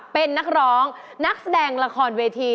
เป็นนักร้องนักแสดงละครเวที